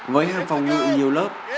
với hàng phòng ngự nhiều lớp